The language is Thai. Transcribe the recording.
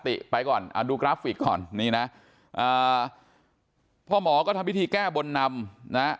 ไปก่อนอ่าดูกราฟิกก่อนนี่นะพ่อหมอก็ทำพิธีแก้บนนำนะ